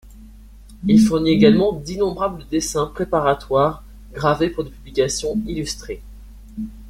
Il fournit également d'innombrables dessins préparatoires gravés pour des publications illustrées.